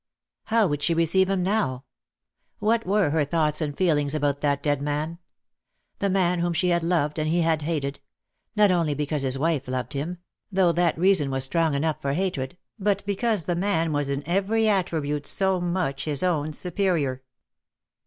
How would she receive him now ? What were her thoughts and feelings about that dead man? The man whom she had loved anil he had hated : not only because his wife loved him — thougli that reason was strong enough for hatred — but because the man was in every attribute so much his own superior.